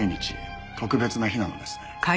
特別な日なのですね。